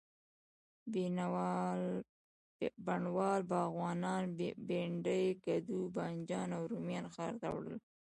بڼوال، باغوانان، بینډۍ، کدو، بانجان او رومیان ښار ته وړل.